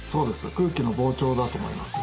空気の膨張だと思います。